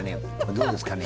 どうですかね。